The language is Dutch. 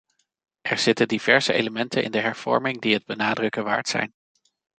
Er zitten diverse elementen in de hervorming die het benadrukken waard zijn.